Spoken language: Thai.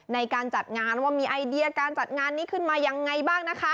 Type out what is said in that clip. ในการจัดงานว่ามีไอเดียการจัดงานนี้ขึ้นมายังไงบ้างนะคะ